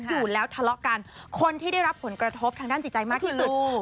อยู่แล้วทะเลาะกันคนที่ได้รับผลกระทบทางด้านจิตใจมากที่สุด